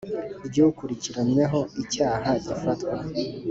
ry ukurikiranyweho icyaha gifatwa